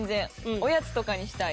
おやつとかにしたい。